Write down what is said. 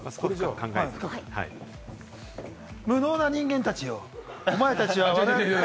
無能な人間たちよ、お前たちを。